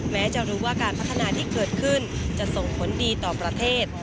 แม้จะรู้ว่าการพัฒนาที่เกิดขึ้นจะส่งผลดีต่อประเทศ